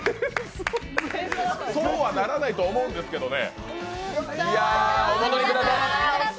そうはならないと思うんですけどね。